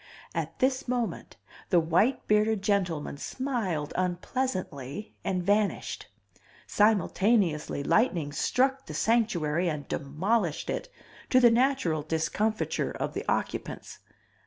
At this moment the white bearded gentleman smiled unpleasently and vanished. Simultaneously lightning struck the Sanctuary and demolished it, to the natural discomfiture of the occupants.